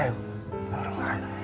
なるほどね。